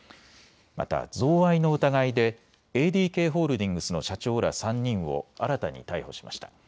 また贈賄の疑いでＡＤＫホールディングスの社長ら３人を新たに逮捕しました。